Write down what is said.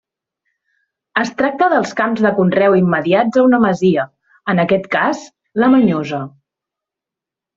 Es tracta dels camps de conreu immediats a una masia, en aquest cas la Manyosa.